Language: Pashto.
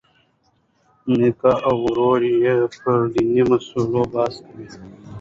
میکا او ورور یې پر دیني مسلو بحث کوي.